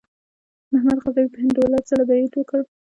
محمود غزنوي په هند اوولس ځله برید وکړ.